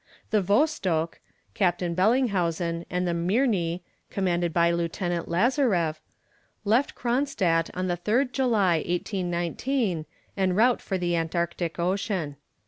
The Vostok, Captain Bellinghausen, and the Mirni, commanded by Lieutenant Lazarew, left Cronstadt on the 3rd July, 1819, en route for the Antarctic Ocean.